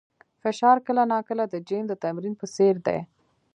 فشار کله ناکله د جیم د تمرین په څېر دی.